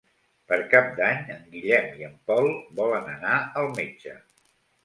Per Cap d'Any en Guillem i en Pol volen anar al metge.